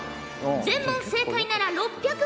全問正解なら６００